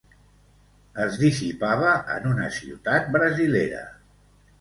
Es dissipava en una ciutat brasilera.